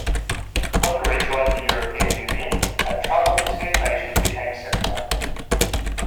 Hungary joined the European Union and travel between nations became simpler.